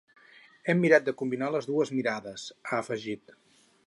Hem mirat de combinar les dues mirades, ha afegit.